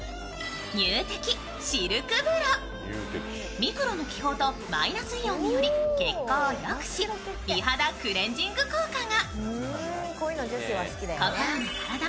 ミクロの気泡とマイナスイオンにより血行をよくし美肌、クレンジング効果が。